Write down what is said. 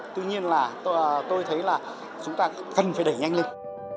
tuy nhiên là tôi thấy là chúng ta cần phải đẩy nhanh lực